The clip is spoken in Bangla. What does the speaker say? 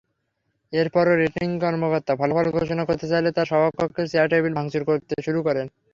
এরপরও রিটার্নিং কর্মকর্তা ফলাফল ঘোষণা করতে চাইলে তাঁরা সভাকক্ষের চেয়ার-টেবিল ভাঙচুর শুরু করেন।